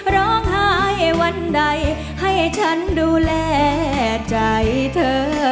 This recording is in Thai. ร้องไห้วันใดให้ฉันดูแลใจเธอ